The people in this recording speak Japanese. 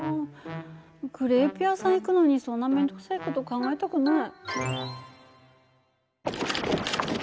クレープ屋さん行くのにそんな面倒くさい事考えたくない。